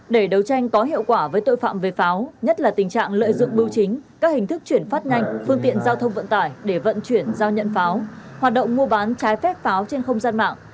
để đấu tranh có hiệu quả với tội phạm về pháo nhất là tình trạng lợi dụng bưu chính các hình thức chuyển phát nhanh phương tiện giao thông vận tải để vận chuyển giao nhận pháo hoạt động mua bán trái phép pháo trên không gian mạng